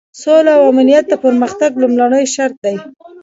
سوله او امنیت د پرمختګ لومړنی شرط دی.